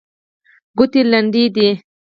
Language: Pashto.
ګوتې لنډې دي.